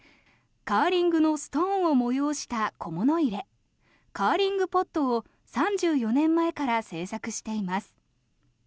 カーリングのストーンを催した小物入れカーリングポットを３４年前から制作しています。